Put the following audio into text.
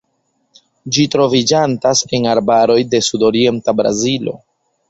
Ĝi troviĝantas en arbaroj de sudorienta Brazilo.